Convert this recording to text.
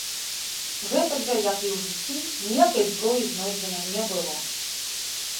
Гэтак жа як і ў жыцці, ніякай зброі знойдзена не было.